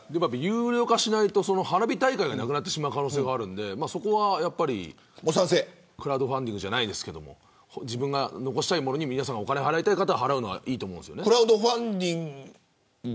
有料化しないと花火大会がなくなる可能性があるんでクラウドファンディングじゃないですけど自分が残したいものにお金を払いたい方が払うのはいいと思います。